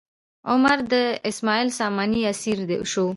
عمر د اسماعیل ساماني اسیر شو.